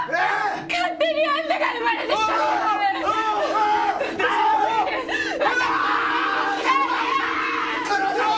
勝手にあんたが生まれてきたのが悪いのに！